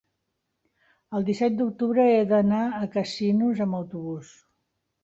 El disset d'octubre he d'anar a Casinos amb autobús.